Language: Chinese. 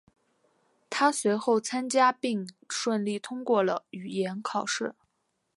他随后参加并顺利通过了语言考试。